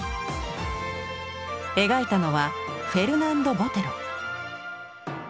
描いたのはフェルナンド・ボテロ。